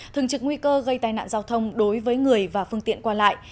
thường trực nguy cơ gây tai nạn giao thông đối với người và phương tiện qua lại